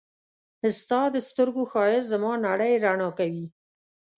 ستا د سترګو ښایست زما نړۍ رڼا کوي.